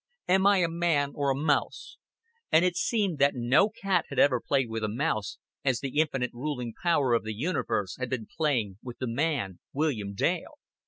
Am I a man or a mouse? And it seemed that no cat had ever played with a mouse as the Infinite Ruling Power of the universe had been playing with the man William Dale.